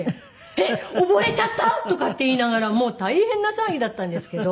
「えっ！溺れちゃった？」とかって言いながらもう大変な騒ぎだったんですけど。